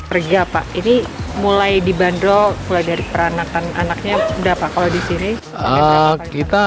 pergi apa ini mulai dibanderol mulai dari peranakan anaknya berapa kalau disini kita